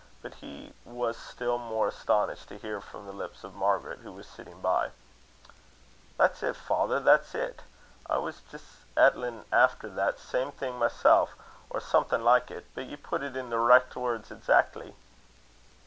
But he was still more astonished to hear from the lips of Margaret, who was sitting by: "That's it, father; that's it! I was jist ettlin' efter that same thing mysel, or something like it, but ye put it in the richt words exackly."